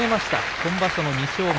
今場所の２勝目。